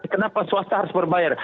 kenapa swasta harus berbayar